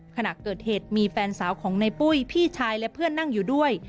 ขณะเกิดเหตุมีแฟนสาวของในปุ้ยพี่ชายและเพื่อนนั่งอยู่ด้วย